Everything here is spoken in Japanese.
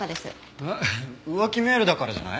えっ浮気メールだからじゃない？